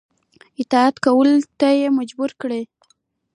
اطاعت کولو ته یې مجبور کړي.